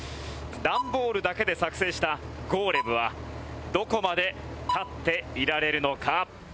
ダンボールだけで作製したゴーレムはどこまで立っていられるのか。